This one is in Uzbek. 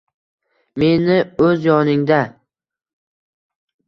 Meni o’z yoningda